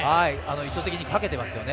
意図的にかけてますね。